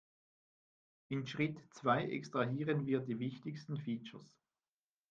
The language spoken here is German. In Schritt zwei extrahieren wir die wichtigsten Features.